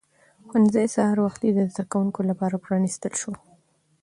ښوونځی سهار وختي د زده کوونکو لپاره پرانیستل شو